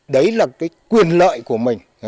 đấy là quyền lợi của mình